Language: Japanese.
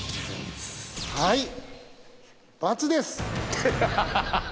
はい×です